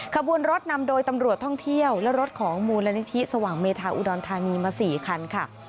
ขบวนรถนำโดยตำรวจท่องเที่ยวและรถของมูลนิธิสว่างเมธาอุดรธานีมา๔คันค่ะ